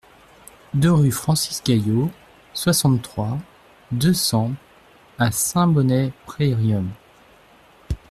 deux rue Francisque Gaillot, soixante-trois, deux cents à Saint-Bonnet-près-Riom